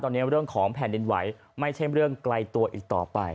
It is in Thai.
ตอนนี้เรื่องของแผ่นดินไหวไม่ใช่เรื่องไกลตัวอีกต่อไป